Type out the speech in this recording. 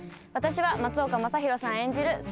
「私は松岡昌宏さん演じる